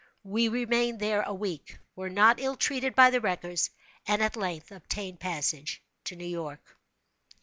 We remained here a week, were not ill treated by the wreckers, and at length obtained a passage to New York.